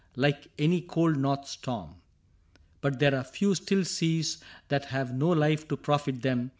Like any cold north storm. — But there are few Still seas that have no life to profit them.